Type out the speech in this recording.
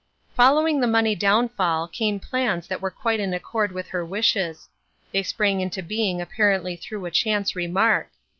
Following the money downfall came plans that were quite in accord with her wishes. They sprang into being apparently through a chance remark.